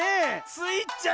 スイちゃん